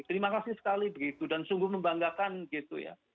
terima kasih sekali begitu dan sungguh membanggakan gitu ya